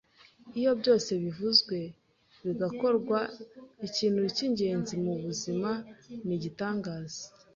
Iyo byose bivuzwe bigakorwa, ikintu cyingenzi mubuzima ni igitangaza.